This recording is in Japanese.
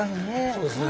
そうですね。